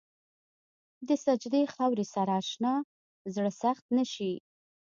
د سجدې خاورې سره اشنا زړه سخت نه شي.